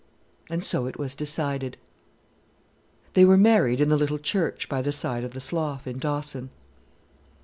And so it was decided. They were married in the little church by the side of the slough in Dawson.